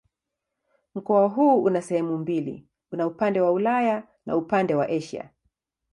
Mkoa huu una sehemu mbili: una upande wa Ulaya na upande ni Asia.